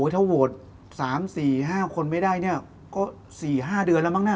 ถ้าโหวต๓๔๕คนไม่ได้เนี่ยก็๔๕เดือนแล้วมั้งนะ